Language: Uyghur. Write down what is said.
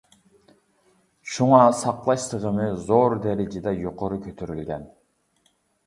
شۇڭا ساقلاش سىغىمى زور دەرىجىدە يۇقىرى كۆتۈرۈلگەن.